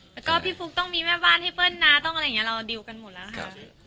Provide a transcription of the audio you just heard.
แล้วก็พี่ฟุ๊กต้องมีแม่บ้านให้เปิ้ลนะต้องอะไรอย่างนี้เราดิวกันหมดแล้วค่ะ